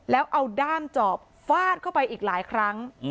แล้วเอาด้ามจอบฟาดเข้าไปอีกหลายครั้ง